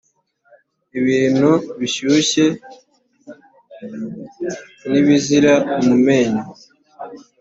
ibintu bishyushye ni ibizira mu menyo